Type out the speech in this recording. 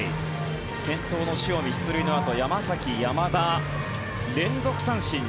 先頭の塩見出塁のあと山崎、山田、連続三振。